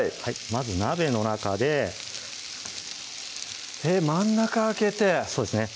まず鍋の中で真ん中空けてそうですね